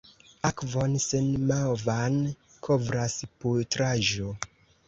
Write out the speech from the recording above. Akvon senmovan kovras putraĵo.